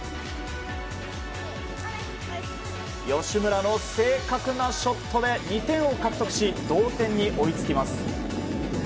吉村の正確なショットで２点を獲得し同点に追いつきます。